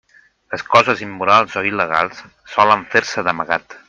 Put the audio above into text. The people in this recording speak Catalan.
Les coses immorals o il·legals solen fer-se d'amagat.